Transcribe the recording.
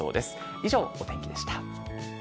以上、お天気でした。